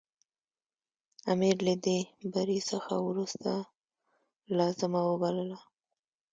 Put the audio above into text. امیر له دې بري څخه وروسته لازمه وبلله.